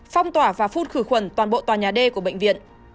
phong tỏa và phun khử khuẩn toàn bộ tòa nhà d của bệnh viện